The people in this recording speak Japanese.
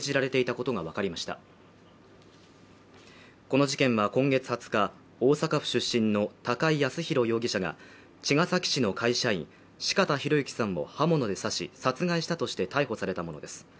この事件は今月２０日大阪府出身の高井靖弘容疑者が茅ヶ崎市の会社員四方洋行さんを刃物で刺し殺害したとして逮捕されたものです